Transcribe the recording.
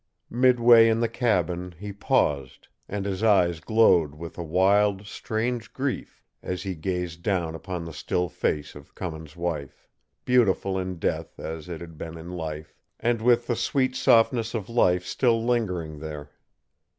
Midway in the cabin he paused, and his eyes glowed with a wild, strange grief as he gazed down upon the still face of Cummins' wife, beautiful in death as it had been in life, and with the sweet softness of life still lingering there.